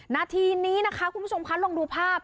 นาทีนี้นะคะคุณผู้ชมคะลองดูภาพ